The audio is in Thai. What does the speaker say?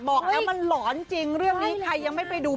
บอกแล้วมันหลอนจริงเรื่องนี้ใครยังไม่ไปดู